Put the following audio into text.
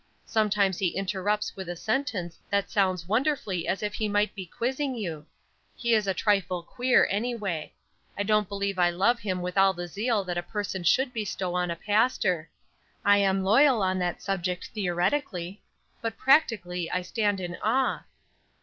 Sometimes he interrupts with a sentence that sounds wonderfully as if he might be quizzing you. He is a trifle queer anyway. I don't believe I love him with all the zeal that a person should bestow on a pastor. I am loyal on that subject theoretically, but practically I stand in awe."